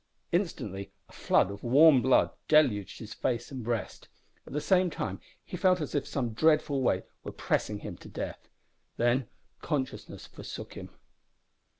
Instantly a flood of warm blood deluged his face and breast; at the same time he felt as if some dreadful weight were pressing him to death. Then consciousness forsook him.